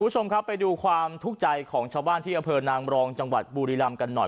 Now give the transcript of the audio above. คุณผู้ชมครับไปดูความทุกข์ใจของชาวบ้านที่อำเภอนางรองจังหวัดบุรีรำกันหน่อย